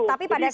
tapi pada saat